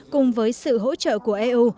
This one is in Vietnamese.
cùng với sự hỗ trợ của eu